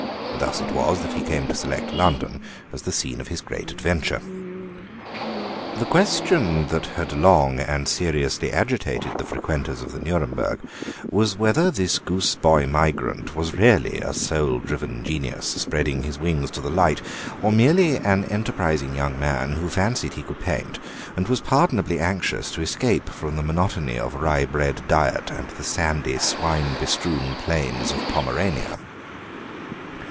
Thus it was that he came to select London as the scene of his great adventure. The question that had long and seriously agitated the frequenters of the Nuremberg was whether this goose boy migrant was really a soul driven genius, spreading his wings to the light, or merely an enterprising young man who fancied he could paint and was pardonably anxious to escape from the monotony of rye bread diet and the sandy, swine bestrewn plains of Pomerania.